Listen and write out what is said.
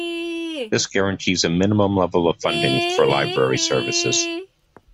This guarantees a minimum level of funding for Library services.